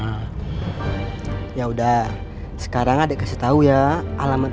oh ya udah sekarang adik kasih tahu ya alamat rumahnya itu apa ya